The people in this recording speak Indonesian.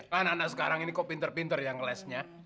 kan anak anak sekarang ini kok pinter pinter yang ngelesnya